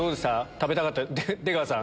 食べたかった出川さん？